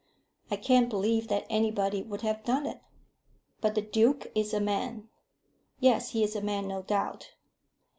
I can't believe that anybody would have done it." "But the duke is a man." "Yes, he's a man, no doubt."